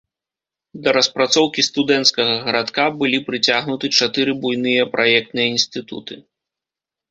Да распрацоўкі студэнцкага гарадка былі прыцягнуты чатыры буйныя праектныя інстытуты.